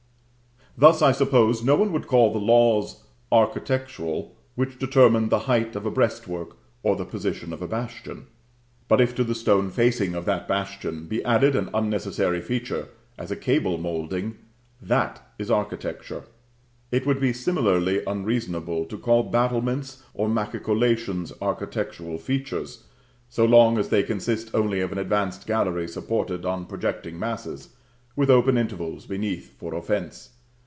Thus, I suppose, no one would call the laws architectural which determine the height of a breastwork or the position of a bastion. But if to the stone facing of that bastion be added an unnecessary feature, as a cable moulding, that is Architecture. It would be similarly unreasonable to call battlements or machicolations architectural features, so long as they consist only of an advanced gallery supported on projecting masses, with open intervals beneath for offence.